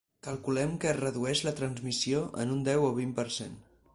Calculem que es redueix la transmissió en un deu o un vint per cent.